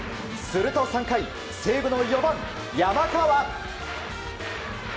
すると３回西武の４番、山川。